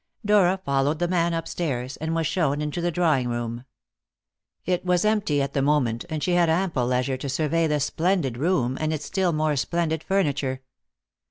Dora followed the man upstairs, and was shown into the drawing room. It was empty at the moment, and she had ample leisure to survey the splendid room, and its still more splendid furniture.